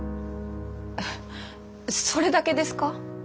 それだけですか？